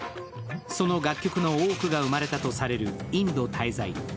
その楽曲の多くが生まれたとされるインド滞在。